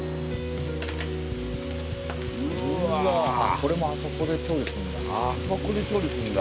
これもあそこで調理するんだ。